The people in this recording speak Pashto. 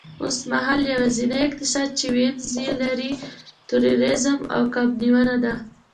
اوسمهال یوازینی اقتصاد چې وینز یې لري، تورېزم او کب نیونه ده